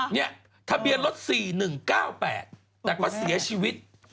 เนี่ยทะเบียนรถ๔๑๙๘แต่ก็เสียชีวิต